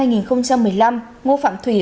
ngô phạm thủy và trần thịnh